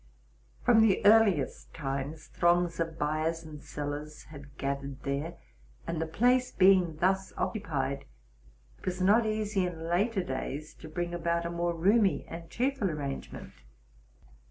From the earliest times, throngs of buyers and sellers had gathered there ; and the place being thus occupied, it was not easy in later days to bring about a more roomy and cheerful arrangement.